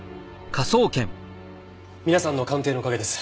皆さんの鑑定のおかげです。